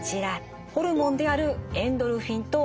ホルモンであるエンドルフィンとオキシトシン。